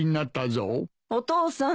お父さん。